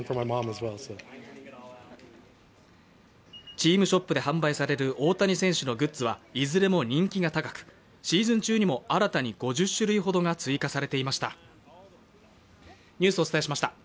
チームショップで販売される大谷選手のグッズはいずれも人気が高く、シーズン中にも新たに５０種類ほどが追加されていました。